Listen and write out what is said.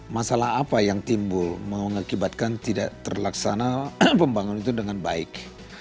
masalah apa yang timbul mengakibatkan tidak terlaksana pembangunan itu dengan baik